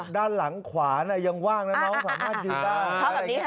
ด้านหลังขวายังว่างนะน้องสามารถยืนได้